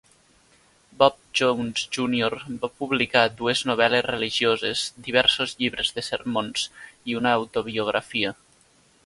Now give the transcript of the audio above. Bob Jones Junior va publicar dues novel·les religioses, diversos llibres de sermons i una autobiografia.